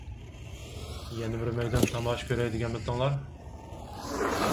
يەنە بىر مەيدان تاماشا كۆرەي دېگەنمىتىڭلار؟